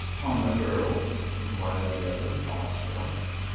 "On the girls?" inquired the other, awestruck.